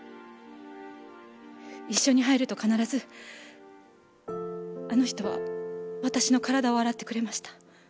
一緒に入ると必ずあの人は私の体を洗ってくれました。